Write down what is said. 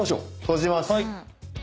閉じます。